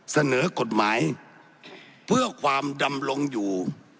เสนอกฎหมายเพื่อความดำรงอยู่